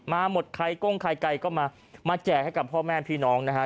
มาหมดไข่ก้งไข่ไก่ก็มามาแจกให้กับพ่อแม่พี่น้องนะฮะ